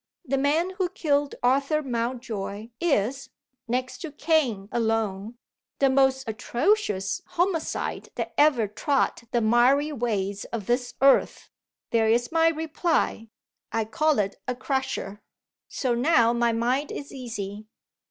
The man who killed Arthur Mountjoy is (next to Cain alone) the most atrocious homicide that ever trod the miry ways of this earth. There is my reply! I call it a crusher. "So now my mind is easy.